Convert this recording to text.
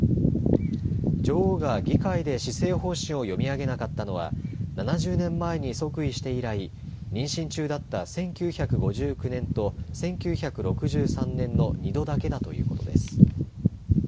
女王が議会で施政方針を読み上げなかったのは７０年前に即位して以来、妊娠中だった１９５９年と１９６３年の２度だけだということです。